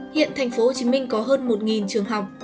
hiện tp hcm có hơn một trường học